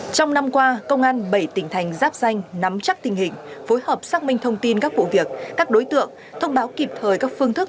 trong năm qua công an bảy tỉnh thành giáp danh nắm chắc tình hình phối hợp xác minh thông tin các vụ việc các đối tượng thông báo kịp thời các phương thức